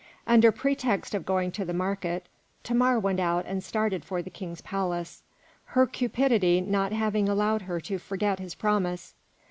Under pretext of going to the market, Thamar went out and started for the King's palace, her cupidity not having allowed her to forget his promise.